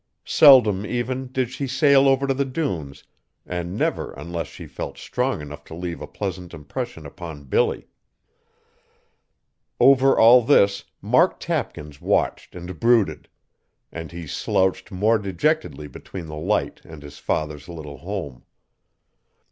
Seldom, even, did she sail over to the dunes and never unless she felt strong enough to leave a pleasant impression upon Billy. Over all this, Mark Tapkins watched and brooded, and he slouched more dejectedly between the Light and his father's little home.